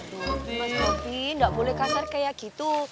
mas daudin gak boleh kasar kayak gitu